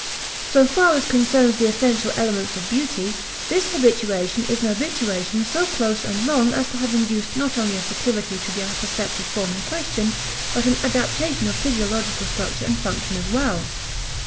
So far as concerns the essential elements of beauty, this habituation is an habituation so close and long as to have induced not only a proclivity to the apperceptive form in question, but an adaptation of physiological structure and function as well.